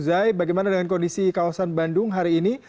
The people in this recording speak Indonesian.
zai bagaimana dengan kondisi kawasan bandung hari ini